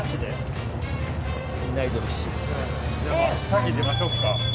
先出ましょうか。